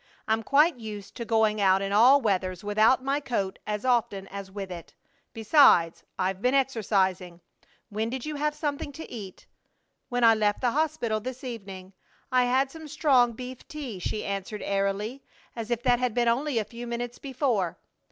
I'm quite used to going out in all weathers without my coat as often as with it. Besides, I've been exercising. When did you have something to eat?" "When I left the hospital this evening. I had some strong beef tea," she answered, airily, as if that had been only a few minutes before.